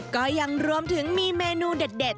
ก็ยังรวมถึงมีเมนูเด็ด